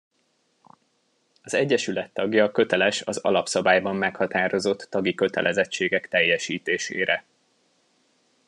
Az egyesület tagja köteles az alapszabályban meghatározott tagi kötelezettségek teljesítésére.